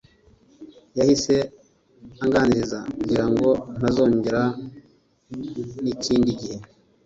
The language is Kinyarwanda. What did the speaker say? yahise anganiriza kugirango ntazongera nikindi gihe